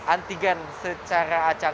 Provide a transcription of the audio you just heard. antigen secara acak